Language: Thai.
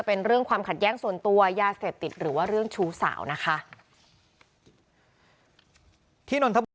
เป็นอายสมัยไส้ผม